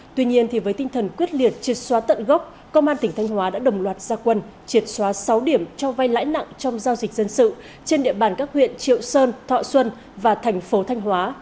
tuy nhiên với tinh thần quyết liệt triệt xóa tận gốc công an tỉnh thanh hóa đã đồng loạt gia quân triệt xóa sáu điểm cho vai lãi nặng trong giao dịch dân sự trên địa bàn các huyện triệu sơn thọ xuân và thành phố thanh hóa